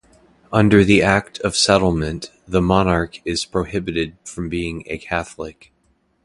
Under the Act of Settlement, the monarch is prohibited from being a Catholic.